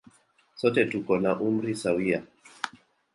Sote tuko na umri sawia.